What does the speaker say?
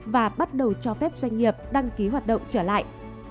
và bắt đầu cho phép doanh nghiệp đăng ký hoạt động trở lại